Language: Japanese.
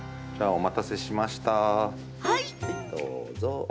お待たせしました。